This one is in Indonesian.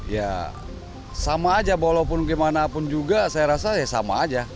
ya sama aja walaupun gimana pun juga saya rasa ya sama aja